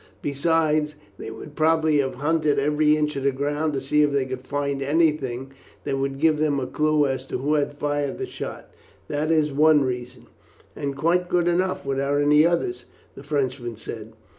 Besides, they would probably have hunted every inch of the ground to see if they could find anything that would give them a clue as to who had fired the shot. That is one reason." "And quite good enough without any others," the Frenchman said.